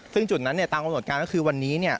ซึ่งจุดนั้นตามความสนุกการณ์ก็คือวันนี้